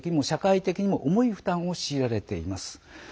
経済的にも社会的にも重い負担を強いられています。